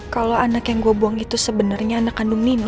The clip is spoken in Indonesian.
kalau anak yang gue buang itu sebenarnya anak kandung nino